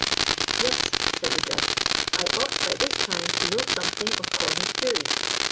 "Yes," said the Judge, "I ought by this time to know something of Cornish juries.